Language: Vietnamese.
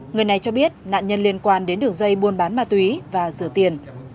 người này cho biết nạn nhân liên quan đến đường dây buôn bán ma túy và rửa tiền